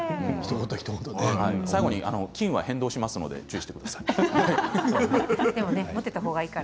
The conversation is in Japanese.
最後に金は変動しますのでご注意ください。